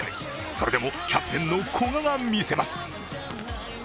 それでもキャプテンの古賀がみせます。